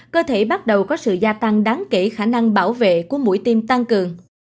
cơ thể bắt đầu có sự gia tăng đáng kể khả năng bảo vệ của mũi tiêm tăng cường